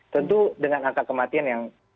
tentu dengan angka kematian yang